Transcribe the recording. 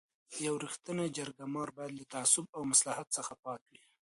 یو رښتینی جرګه مار باید له تعصب او مصلحت څخه پاک وي.